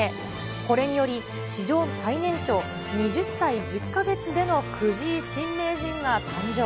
これにより、史上最年少２０歳１０か月での藤井新名人が誕生。